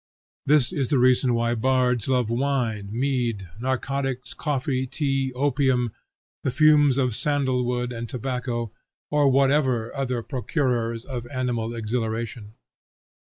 This is the reason why bards love wine, mead, narcotics, coffee, tea, opium, the fumes of sandal wood and tobacco, or whatever other procurers of animal exhilaration.